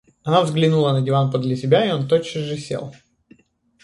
Она взглянула на диван подле себя, и он тотчас же сел.